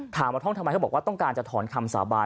ถามว่าท่องทำไมเขาบอกว่าต้องการจะถอนคำสาบาน